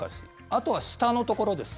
あとは下のところです。